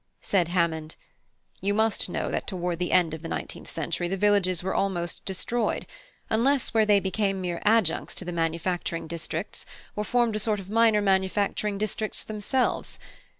Said Hammond: "You must know that toward the end of the nineteenth century the villages were almost destroyed, unless where they became mere adjuncts to the manufacturing districts, or formed a sort of minor manufacturing districts themselves.